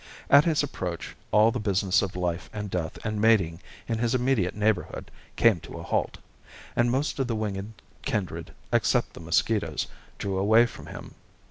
At his approach, all the business of life and death and mating in his immediate neighbourhood came to a halt, and most of the winged kindred, except the mosquitoes, drew away from him.